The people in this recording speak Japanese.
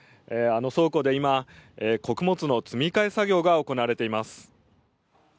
あの倉庫で今穀物の積み替え作業が行われています。